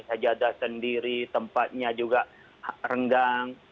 saja ada sendiri tempatnya juga renggang